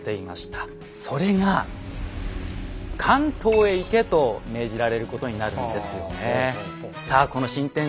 それが関東へ行けと命じられることになるんですよね。